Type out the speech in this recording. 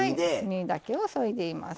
実だけをそいでいます。